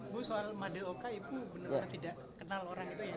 bu soal madeoka ibu benar benar tidak kenal orang itu ya